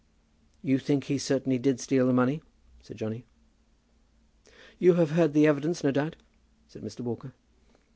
"You think he certainly did steal the money?" said Johnny. "You have heard the evidence, no doubt?" said Mr. Walker.